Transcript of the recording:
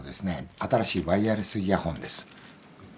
新しいワイヤレスイヤホンです。